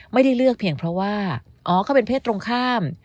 ไม่ได้เลือกเพียงเพราะว่าอ๋อเขาเป็นเพศตรงข้าม